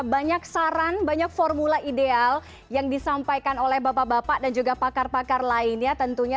banyak saran banyak formula ideal yang disampaikan oleh bapak bapak dan juga pakar pakar lainnya tentunya